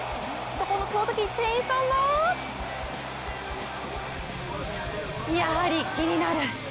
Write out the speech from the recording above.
そのとき、店員さんはやはり気になる。